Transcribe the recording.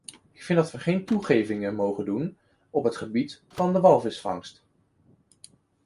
Ik vind dat we geen toegevingen mogen doen op het gebied van de walvisvangst.